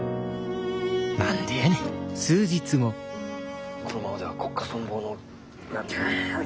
何でやねんこのままでは国家存亡のああ。